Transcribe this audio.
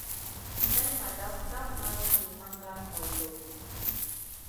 Nay ma daf dafna zi mandan ŋol lo ɗi.